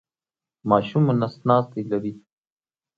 ماشوم مو نس ناستی لري؟